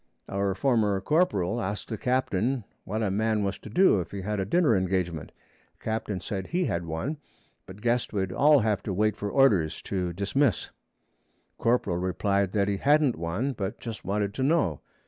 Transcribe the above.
Our former corporal asked the captain what a man was to do if he had a dinner engagement. Captain said he had one, but guessed we'd all have to wait for orders to dismiss. Corporal replied that he hadn't one, but just wanted to know.